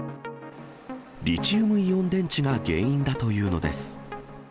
リチウムイオン電池が原因だというのです。